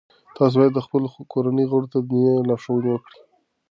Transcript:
تاسو باید د خپلو کورنیو غړو ته دیني لارښوونه وکړئ.